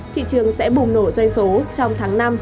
thị trường sẽ bùng nổ doanh số trong tháng năm